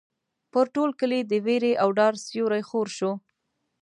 پر ټول کلي د وېرې او ډار سیوری خور شو.